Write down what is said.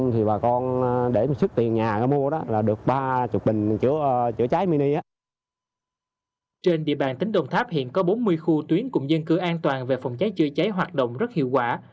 trên địa bàn tỉnh đồng tháp hiện có bốn mươi khu tuyến cùng dân cư an toàn về phòng cháy chữa cháy hoạt động rất hiệu quả